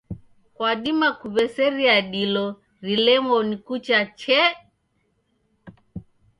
Kwadima kuw'eseria dilo rilemo ni kucha chee.